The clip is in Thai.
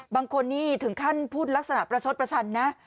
บางคนนี่ถึงขั้นพูดลักษณะประชดประชันนะ